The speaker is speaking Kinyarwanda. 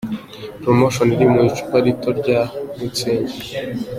Promotion iri mu icupa rito rya mutzig.